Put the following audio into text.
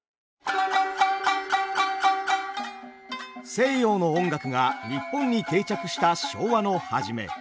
西洋の音楽が日本に定着した昭和の初め